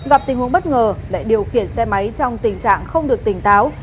gặp tình huống bất ngờ lại điều khiển xe máy trong tình trạng không được tỉnh táo